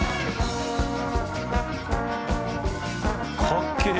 「かっけえ！」